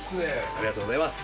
ありがとうございます。